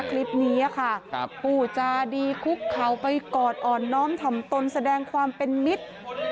คลิปนี้ค่ะผู้จาดีคุกเข่าไปกอดอ่อนน้อมถ่อมตนแสดงความเป็นมิตร